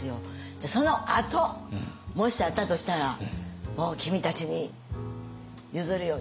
じゃあそのあともしあったとしたらもう君たちに譲るよ